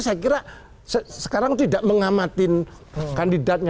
saya kira sekarang tidak mengamati kandidatnya